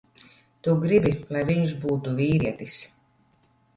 Tu gribi, lai viņš būtu vīrietis.